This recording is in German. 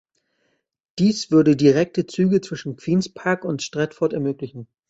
Dies würde direkte Züge zwischen Queen’s Park und Stratford ermöglichen.